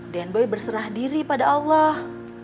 dan boy berserah diri pada allah